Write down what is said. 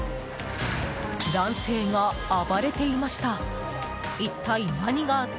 男性が暴れていました。